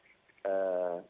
ketika dia mampu untuk menyatakan